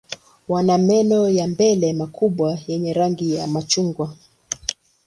Wana meno ya mbele makubwa yenye rangi ya machungwa.